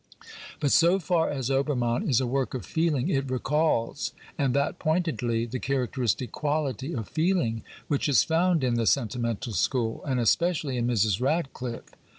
But so far as Obermann is a work of feeling, it recalls, and that pointedly, the characteristic quality of feeling which is found in the sentimental school, and especially in Mrs. CRITICAL INTRODUCTION xxxiii Radcliffe.